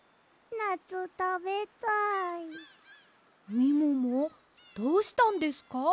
みももどうしたんですか？